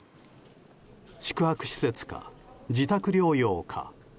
宿泊施設か自宅療養か。